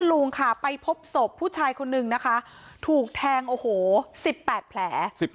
ลุงค่ะไปพบศพผู้ชายคนนึงนะคะถูกแทงโอ้โห๑๘แผล